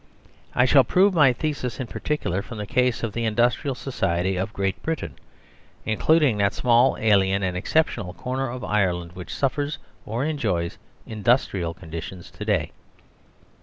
I shall prove my thesis in particular from the case of the industrial society of Great Britain, including that small, alien, and exceptional corner of Ireland, which suffers or enjoys industrial conditions to day.